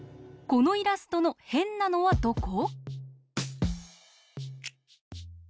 このイラストのへんなのはどこ？